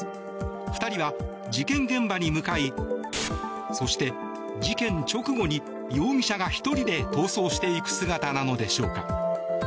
２人は事件現場に向かいそして、事件直後に容疑者が１人で逃走していく姿なのでしょうか。